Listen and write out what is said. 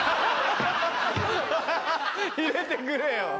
入れてくれよ！